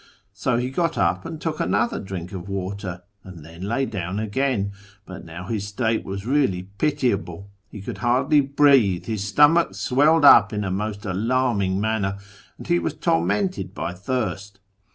So he got up and took another drink of water, and then lay down again, but now his state was really pitiable : he could hardly breathe, his stomach swelled up in a most alarming manner, and he was tormented by thirst.